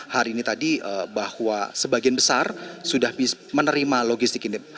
hari ini tadi bahwa sebagian besar sudah menerima logistik ini